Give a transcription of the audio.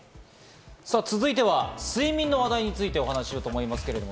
続いては睡眠の話題についてお伝えしたいと思います。